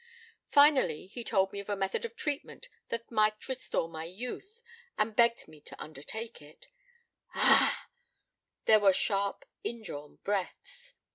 Finally he told me of a method of treatment that might restore my youth, and begged me to undertake it " "Ah!" There were sharp indrawn breaths.